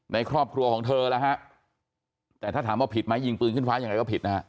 ในครอบครัวของเธอแล้วฮะแต่ถ้าถามว่าผิดไหมยิงปืนขึ้นฟ้ายังไงก็ผิดนะฮะ